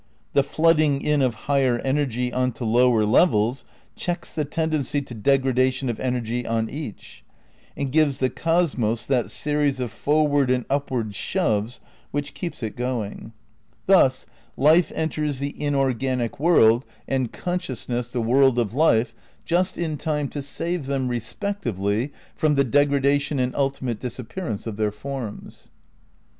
The flooding in of higher energy on to lower levels checks the tendency to degra dation of energy on each, and gives the cosmos that series of forward and upward shoves which keeps it going. Thus life enters the inorganic world and con " Tfie Antinomy, p. 247. 148 THE NEW IDEALISM iv sciousness the world of life just in time to save them, respectively, from the degradation and ultimate dis appearance of their forms.